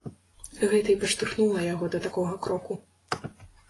Гэта і падштурхнула яго да такога кроку.